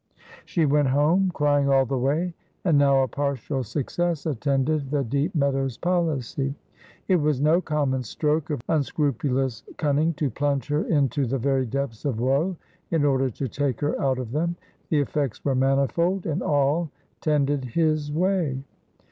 She went home, crying all the way. And now a partial success attended the deep Meadows' policy. It was no common stroke of unscrupulous cunning to plunge her into the very depths of woe in order to take her out of them. The effects were manifold, and all tended his way.